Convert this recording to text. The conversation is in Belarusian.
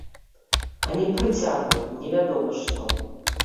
А не прыцягваць невядома што!